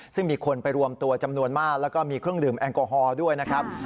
ซึ่งมีคนไปรวมตัวจำนวนมากแล้วก็มีเครื่องดื่มแอลกอฮอล์ด้วยนะครับ